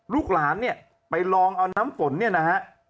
ลูกหลานไปลองเอาน้ำฝนนะฮะ